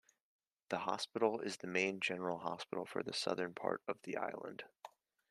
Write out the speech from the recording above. The hospital is the main General Hospital for the southern part of the island.